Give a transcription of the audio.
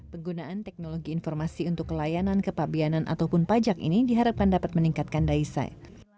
penggunaan teknologi informasi untuk kelayanan kepabianan ataupun pajak ini diharapkan dapat meningkatkan daisai